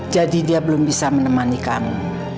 jadi dia belum bisa menemani kamu